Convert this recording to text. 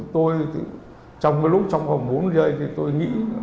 trong lúc trong khoảng bốn mươi giây thì tôi nghĩ